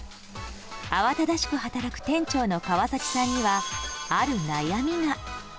慌ただしく働く店長の川崎さんにはある悩みが。